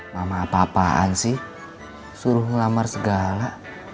mama apa apaan sih suruh ngelamar segala